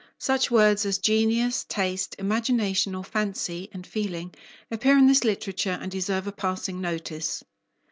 Such words as genius, taste, imagination or fancy, and feeling, appear in this literature, and deserve a passing notice.